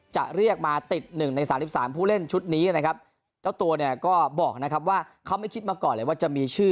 จะเรียกมาติดหนึ่งในสามสิบสามผู้เล่นชุดนี้นะครับเจ้าตัวเนี่ยก็บอกนะครับว่าเขาไม่คิดมาก่อนเลยว่าจะมีชื่อ